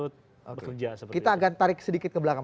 bekerja seperti itu kita akan tarik sedikit ke belakang